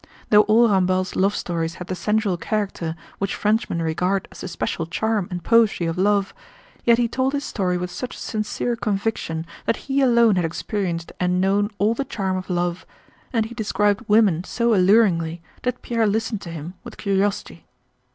Though all Ramballe's love stories had the sensual character which Frenchmen regard as the special charm and poetry of love, yet he told his story with such sincere conviction that he alone had experienced and known all the charm of love and he described women so alluringly that Pierre listened to him with curiosity.